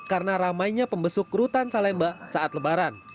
karena ramainya pembesuk rutan salimba saat lebaran